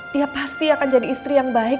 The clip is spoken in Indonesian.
dia pasti akan jadi istri yang baik